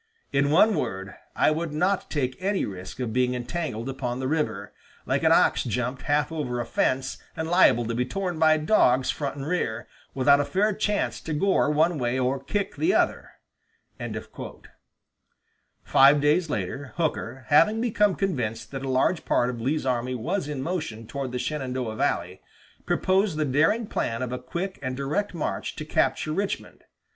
In one word, I would not take any risk of being entangled upon the river, like an ox jumped half over a fence and liable to be torn by dogs front and rear, without a fair chance to gore one way or kick the other." Five days later, Hooker, having become convinced that a large part of Lee's army was in motion toward the Shenandoah valley, proposed the daring plan of a quick and direct march to capture Richmond.